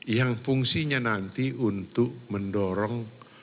yang fungsinya nanti untuk mendorong